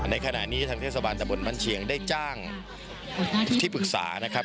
ในขณะนี้ทางเทศบาลตะบนบ้านเชียงได้จ้างที่ปรึกษานะครับ